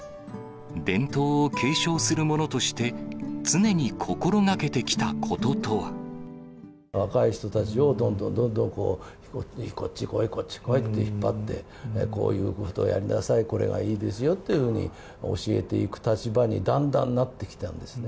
伝統を継承する者として、若い人たちをどんどんどんどん、こっち来い、こっち来いって引っ張って、こういうことをやりなさい、これがいいですよっていうふうに教えていく立場に、だんだんなってきたんですね。